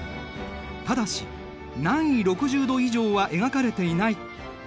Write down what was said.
ただし南緯６０度以上は描かれていない。